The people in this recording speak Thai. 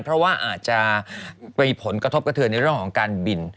เพราะว่าอาจจะมีผลกระทบกระเทือนในเรื่องของการบิน